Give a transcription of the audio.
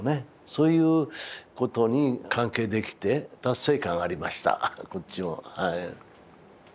そういうことに関係できて達成感がありましたこっちもはい。